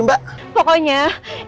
yang mengejar siapa